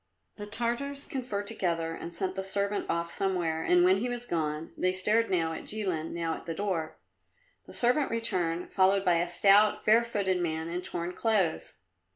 The Tartars conferred together, and sent the servant off somewhere, and when he was gone they stared now at Jilin, now at the door. The servant returned, followed by a stout, bare footed man, in torn clothes.